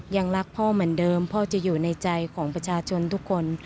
ยังรักพ่อเหมือนเดิมพ่อจะอยู่ในใจของประชาชนทุกคน